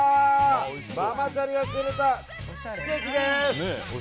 ママチャリがくれた奇跡です！